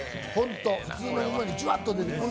普通よりじゅわっと出てきます。